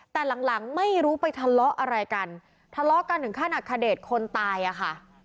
แต่หลังหลังไม่รู้ไปทะเลาะอะไรกันทะเลาะกันถึงขั้นอัคเดชคนตายอ่ะค่ะ